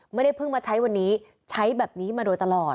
ไม่ได้เพิ่งมาใช้วันนี้ใช้แบบนี้มาโดยตลอด